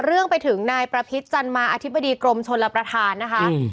เรื่องไปถึงนายประพิษจันมาอธิบดีกรมชนรับประทานนะคะ